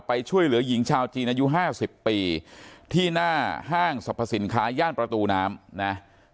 ช่วยเหลือหญิงชาวจีนอายุ๕๐ปีที่หน้าห้างสรรพสินค้าย่านประตูน้ำนะ